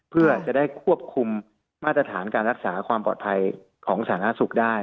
เพื่อจะได้ควบคุมมาตรฐานการรักษาความปลอดภัยของสาธารณสุขได้